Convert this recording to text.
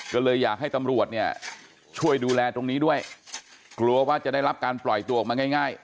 ก็เลยอยากให้ตำรวจเนี่ยช่วยดูแลตรงนี้ด้วยกลัวว่าจะได้รับการปล่อยตัวออกมาง่าย